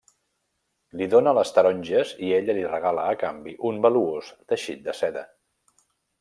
Li dóna les taronges i ella li regala, a canvi, un valuós teixit de seda.